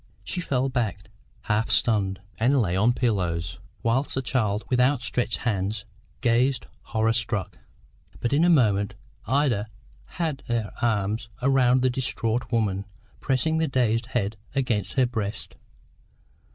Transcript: She fell back, half stunned, and lay on the pillows, whilst the child, with outstretched hands, gazed horror struck. But in a moment Ida had her arms around the distraught woman, pressing the dazed head against her breast.